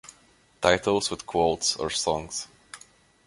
Titles with quotes are songs.